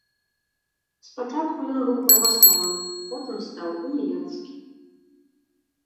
Спачатку ён быў праваслаўны, потым стаў уніяцкі.